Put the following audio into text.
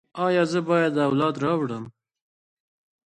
ایا زه باید اولاد راوړم؟